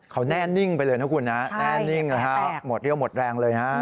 เขาแน่นิ่งไปเลยนะครับคุณแน่นิ่งหมดเรียวหมดแรงเลย